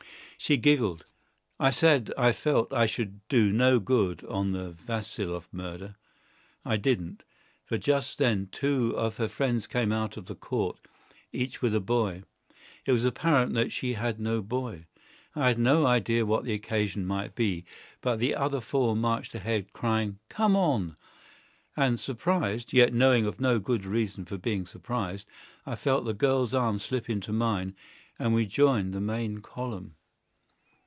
She giggled.... I said I felt sure I should do no good on the Vassiloff murder. I didn't. For just then two of her friends came out of the court, each with a boy. It was apparent that she had no boy. I had no idea what the occasion might be, but the other four marched ahead, crying, "Come on!" And, surprised, yet knowing of no good reason for being surprised, I felt the girl's arm slip into mine, and we joined the main column....